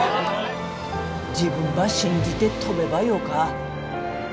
自分ば信じて飛べばよか。